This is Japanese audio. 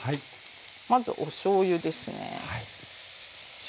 まずおしょうゆですね。